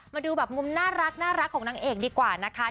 มาดูแบบมุมน่ารักของนางเอกดีกว่านะคะ